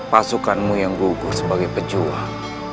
pasukanmu yang gugus sebagai pejuang